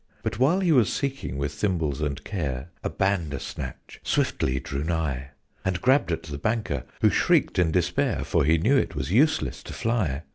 But while he was seeking with thimbles and care, A Bandersnatch swiftly drew nigh And grabbed at the Banker, who shrieked in despair, For he knew it was useless to fly.